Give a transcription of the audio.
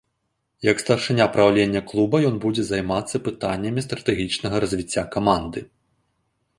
Як старшыня праўлення клуба ён будзе займацца пытаннямі стратэгічнага развіцця каманды.